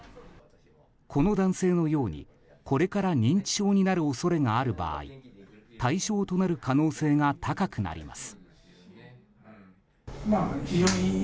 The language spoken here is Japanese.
この男性のようにこれから認知症になる恐れがある場合対象となる可能性が高くなります。